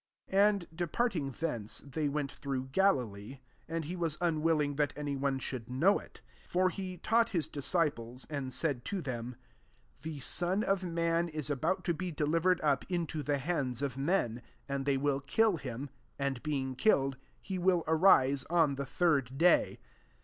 SO Akd departing thence, they went through Galilee ; and he was unwilling that any one should know it. 31 For he taught his disciples, and said to them, "The Son of man is about to be delivered up into the hands of men; and they will kill him ; and being killed, he will arise on the third day."